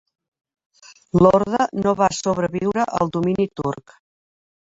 L'orde no va sobreviure el domini turc.